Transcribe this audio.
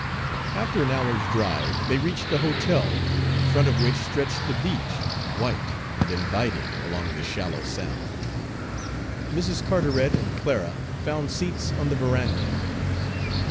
After an hour's drive they reached the hotel, in front of which stretched the beach, white and inviting, along the shallow sound. Mrs. Carteret and Clara found seats on the veranda.